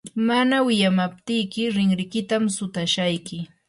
mana wiyamaptiyki rinrikitam sutashayki.